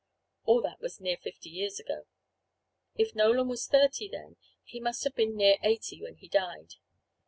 All that was near fifty years ago. If Nolan was thirty then, he must have been near eighty when he died.